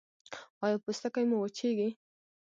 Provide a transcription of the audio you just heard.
ایا پوستکی مو وچیږي؟